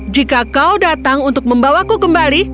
jika kau datang untuk membawaku kembali